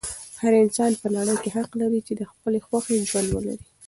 هر انسان په نړۍ کې حق لري چې د خپلې خوښې ژوند ولري.